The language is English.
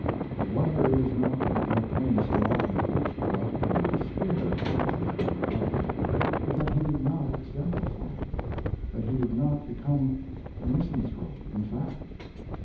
The wonder is not that Mark Twain so often preached the doctrine of despair during his later life, but that he did not exemplify it that he did not become a misanthrope in fact.